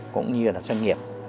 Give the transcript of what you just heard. cũng như là doanh nghiệp